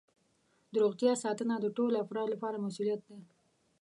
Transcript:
د روغتیا ساتنه د ټولو افرادو لپاره مسؤولیت دی.